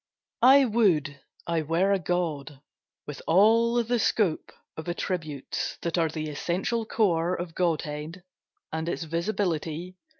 I would I were a god, with all the scope Of attributes that are the essential core Of godhead, and its visibility.